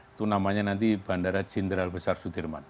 itu nama nya nanti bandara jenderal besar sudirman